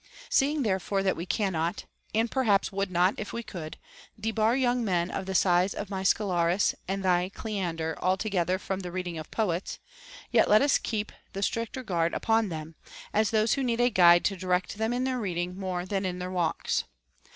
Seeing there fore we cannot (and perhaps would not if we could) debar young men of the size of my Soclarus and thy Oleander altogether from the reading of poets, yet let us keep the stricter guard upon them, as those who need a guide to direct them in their reading more than in their walks.